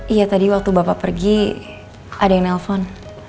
iya tadi waktu bapak pergi ada yang nelfon